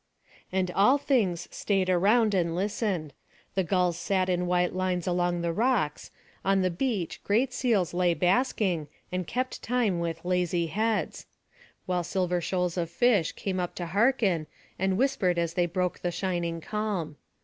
And all things stayed around and listened; the gulls sat in white lines along the rocks; on the beach great seals lay basking, and kept time with lazy heads; while silver shoals of fish came up to hearken, and whispered as they broke the shining calm.